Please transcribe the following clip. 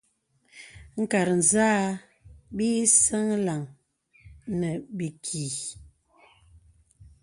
Nkàt zâ bi asɛlə̀ŋ nə̀ bìkì.